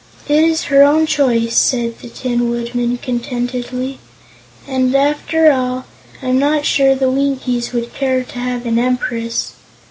"It is her own choice," said the Tin Woodman contentedly; "and, after all, I'm not sure the Winkies would care to have an Empress."